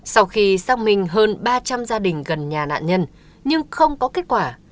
sau khi xong mình hơn ba trăm linh gia đình gần nhà nạn nhân nhưng không có kết quả